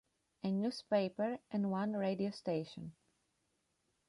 A newspaper and one radio station.